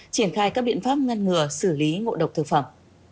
triển khai các biện pháp ngăn ngừa xử lý ngộ độc thực phẩm